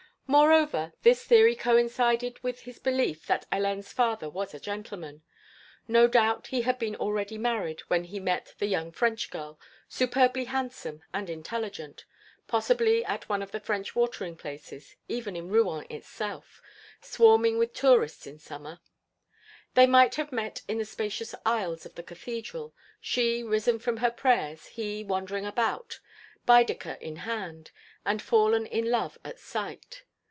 Moreover, this theory coincided with, his belief that Hélène's father was a gentleman. No doubt he had been already married when he met the young French girl, superbly handsome, and intelligent possibly at one of the French watering places, even in Rouen itself, swarming with tourists in Summer. They might have met in the spacious aisles of the Cathedral, she risen from her prayers, he wandering about, Baedeker in hand, and fallen in love at sight.